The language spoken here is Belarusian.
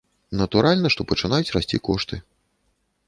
Натуральна, што пачынаюць расці кошты.